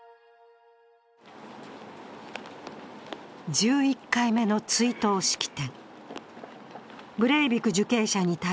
１１回目の追悼式典。